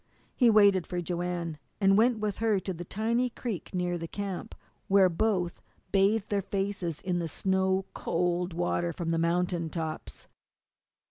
He waited for Joanne, and went with her to the tiny creek near the camp, where both bathed their faces in the snow cold water from the mountain tops.